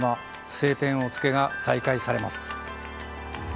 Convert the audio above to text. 「青天を衝け」が再開されます。